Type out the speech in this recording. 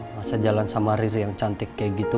masa jalan sama riri yang cantik kayak gitu